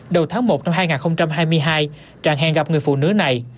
đầu tháng một năm hai nghìn hai mươi hai trạng hẹn gặp người phụ nữ này